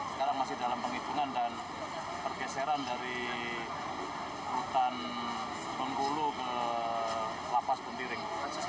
sekarang masih dalam penghitungan dan pergeseran dari hutan bengkulu ke lapas pembiring